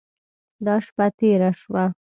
دا شپه تېره شوه.